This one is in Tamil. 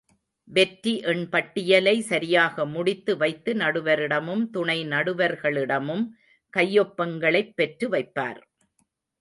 வெற்றி எண் பட்டியலை சரியாக முடித்து வைத்து, நடுவரிடமும், துணை நடுவர்களிடமும் கையொப்பங்களைப் பெற்று வைப்பார்.